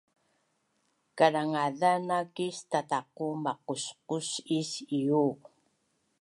Kadangazan naakis tataqu maqusqusis iuu’